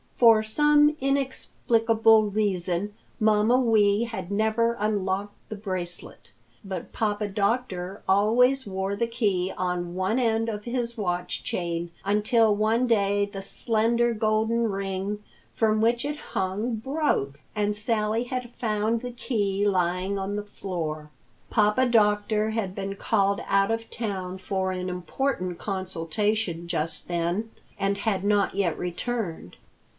For some inexplicable reason Mamma Wee had never unlocked the bracelet, but Papa Doctor always wore the key on one end of his watch chain until one day the slender golden ring from which it hung broke, and Sally had found the key lying on the floor. Papa Doctor had been called out of town for an important consultation just then, and had not yet returned.